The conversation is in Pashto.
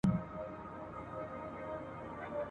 ټول پردي دي بېګانه دي مقتدي دی که امام دی !.